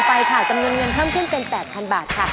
ไปค่ะจำนวนเงินเพิ่มขึ้นเป็น๘๐๐๐บาทค่ะ